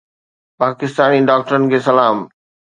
پاڪستاني ڊاڪٽرن کي سلام